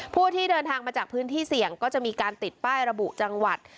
ผู้ที่เดินทางมาจากพื้นที่เสี่ยงก็จะมีการติดป้ายระบุจังหวัด